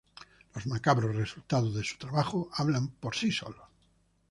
Los macabros resultados de su trabajo hablan por sí solos.